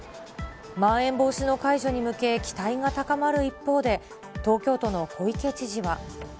まん延防止の解除に向け、期待が高まる一方で、東京都の小池知事は。